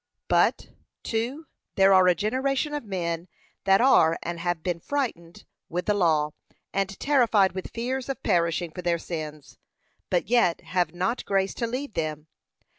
But, 2. There are a generation of men that are and have been frightened with the law, and terrified with fears of perishing for their sins, but yet have not grace to leave them.